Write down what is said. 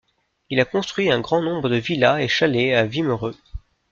Il a construit un grand nombre de villas et chalets à Wimereux.